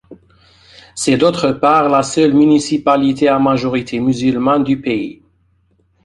C'est d'autre part la seule municipalité à majorité musulmane du pays.